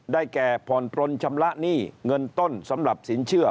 แก่ผ่อนปลนชำระหนี้เงินต้นสำหรับสินเชื่อ